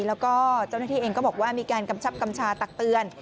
แล้วก็เจ้าหน้าที่เองก็บอกว่ามีการกำชับกำชาตักเตือน